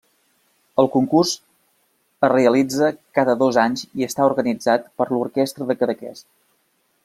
El concurs es realitza cada dos anys i està organitzat per l'Orquestra de Cadaqués.